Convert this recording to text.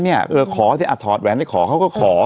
เออขอถอดแหวนไปขอเขาก็ขอ